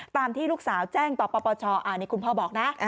ตามที่ลูกสาวแจ้งต่อปปชอันนี้คุณพ่อบอกนะ